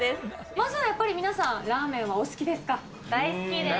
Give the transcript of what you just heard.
まずやっぱり皆さん、ラーメンは大好きです。